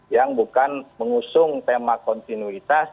yang bukan mengusung tema kontinuitas